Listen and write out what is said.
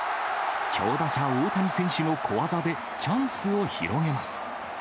強打者、大谷選手の小技でチャンスを広げます。